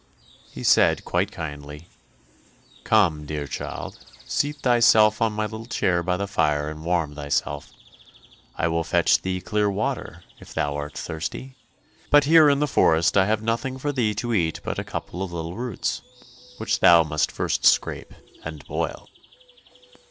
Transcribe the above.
He said quite kindly, "Come, dear child, seat thyself on my little chair by the fire, and warm thyself; I will fetch thee clear water if thou art thirsty; but here in the forest, I have nothing for thee to eat but a couple of little roots, which thou must first scrape and boil."